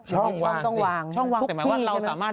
ช่องวางต้องวางช่องวางแต่หมายถึงว่าเราสามารถ